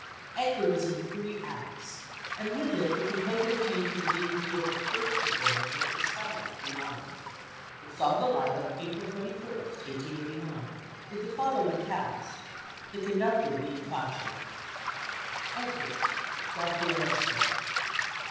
Edgar is in three acts, and with it the composer attained to the dignity of a first performance at the Scala, Milan. It saw the light on April 21, 1889, with the following cast, the conductor being Faccio: Edgar GABRIELESCO.